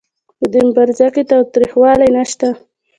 په دې مبارزه کې تاوتریخوالی نشته.